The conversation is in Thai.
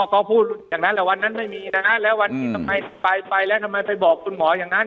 เขาพูดอย่างนั้นแหละวันนั้นไม่มีนะฮะแล้ววันที่ทำไมไปไปแล้วทำไมไปบอกคุณหมออย่างนั้น